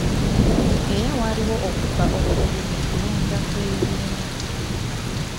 Era waliwo okubba obululu mu kulonda kw'ebibiina.